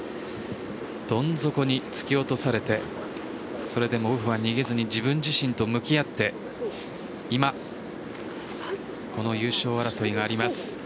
どん底に突き落とされてそれでもオフは逃げずに自分自身と向き合って、今この優勝争いがあります。